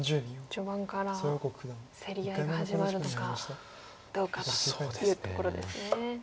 序盤から競り合いが始まるのかどうかというところですね。